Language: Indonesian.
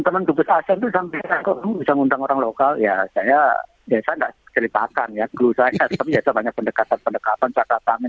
tapi kesalahan saya baca